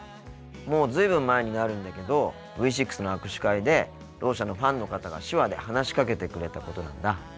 もう随分前になるんだけどＶ６の握手会でろう者のファンの方が手話で話しかけてくれたことなんだ。